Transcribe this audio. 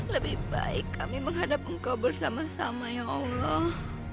lebih baik kami menghadap engkau bersama sama ya allah